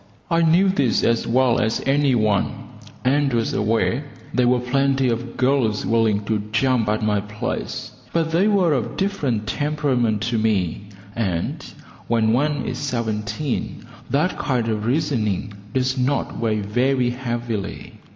I knew this as well as any one, and was aware there were plenty of girls willing to jump at my place; but they were of different temperament to me, and when one is seventeen, that kind of reasoning does not weigh very heavily.